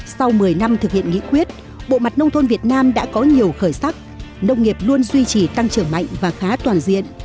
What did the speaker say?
sau một mươi năm thực hiện nghị quyết bộ mặt nông thôn việt nam đã có nhiều khởi sắc nông nghiệp luôn duy trì tăng trưởng mạnh và khá toàn diện